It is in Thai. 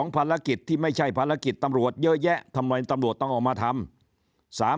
ภารกิจที่ไม่ใช่ภารกิจตำรวจเยอะแยะทำไมตำรวจต้องเอามาทำ